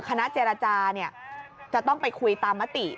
คณะเจรจาจะต้องไปคุยตามมติ